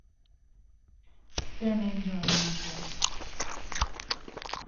Their names are unknown to us.